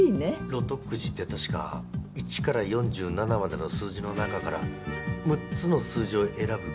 ロトくじって確か１から４７までの数字の中から６つの数字を選ぶという。